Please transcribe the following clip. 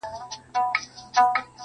خو د درد اصل حل نه مومي او پاتې-